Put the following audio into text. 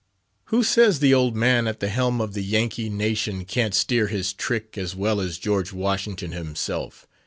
"Who says the old man at the helm of the Yankee nation can't steer his trick as well as George Washington himself?"